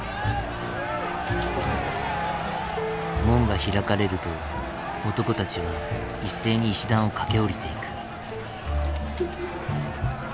門が開かれると男たちは一斉に石段を駆け下りていく。